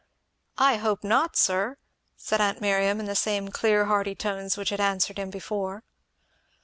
"I hope not, sir!" said aunt Miriam, in the same clear hearty tones which had answered him before.